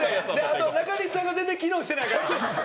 中西さんが全然機能してないから！